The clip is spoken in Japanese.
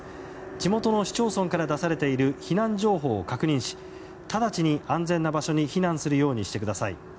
地元の市町村から出されている避難情報を確認し直ちに安全な場所に避難するようにしてください。